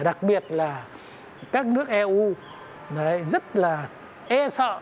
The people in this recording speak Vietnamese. đặc biệt là các nước eu rất là e sợ